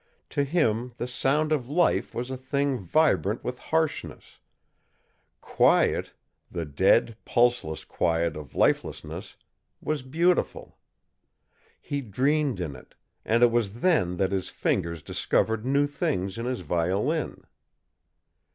To him the sound of life was a thing vibrant with harshness; quiet the dead, pulseless quiet of lifelessness was beautiful. He dreamed in it, and it was then that his fingers discovered new things in his violin.